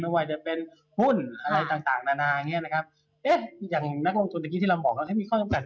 ไม่ว่าจะเป็นหุ้นอะไรต่างนานาอย่างนักลงทุนที่เรามีความสำคัญ